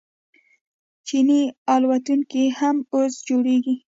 چیني الوتکې هم اوس جوړیږي.